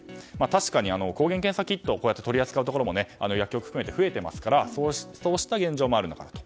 確かに、抗原検査キットを取り扱うところも薬局など増えていますからそうした現状もあるかと。